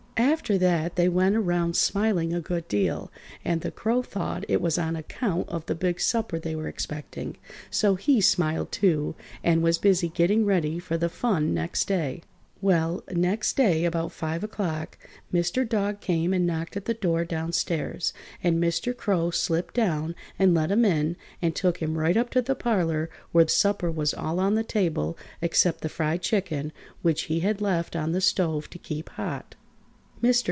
After that they went around smiling a good deal, and the Crow thought it was on account of the big supper they were expecting, so he smiled, too, and was busy getting ready for the fun next day. Well, next day about five o'clock, Mr. Dog came and knocked at the door down stairs, and Mr. Crow slipped down and let him in, and took him right up to the parlor where supper was all on the table except the fried chicken, which he had left on the stove to keep hot. Mr.